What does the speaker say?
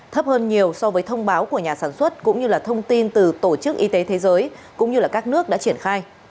thấp hơn nhiều so với thông báo của nhà sản xuất cũng như là thông tin từ tổ chức y tế thế giới cũng như các nước đã triển khai